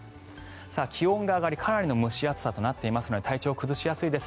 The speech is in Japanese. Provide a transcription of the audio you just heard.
気温が上がり、かなりの蒸し暑さとなっていますので体調を崩しやすいです。